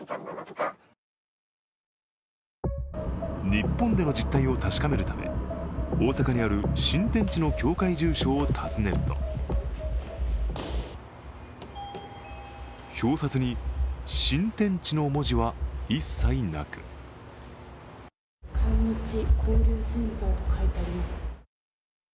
日本での実態を確かめるため大阪にある新天地の教会住所を訪ねると表札に新天地の文字は一切なく韓日交流センターと書いてあります。